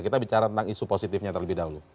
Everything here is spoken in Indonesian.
kita bicara tentang isu positifnya terlebih dahulu